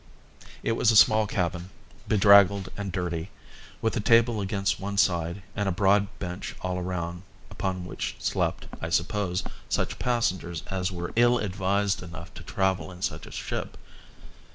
It was a small cabin, bedraggled and dirty, with a table against one side and a broad bench all round upon which slept, I supposed, such passengers as were ill advised enough to travel in such a ship.